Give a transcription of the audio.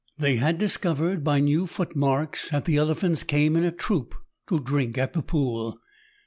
They had discovered by new footmarks that the elephants came in a troop to drink at the pool.